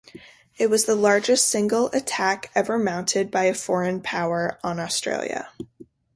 It was the largest single attack ever mounted by a foreign power on Australia.